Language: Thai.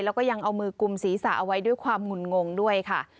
แล้วก็ยังเอามือกุมศีรษะเอาไว้ด้วยความหุ่นงงด้วยค่ะ